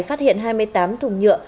phát hiện hai mươi tám thùng nhựa